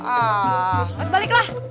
ah pas baliklah